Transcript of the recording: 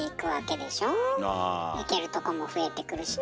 行けるとこも増えてくるしね。